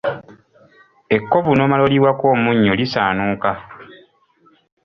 EKkovu n’omala oliyiwako omunnyo lisaanuuka.